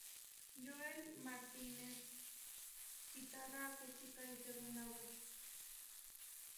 Yoel Martínez, guitarra acústica y segunda voz.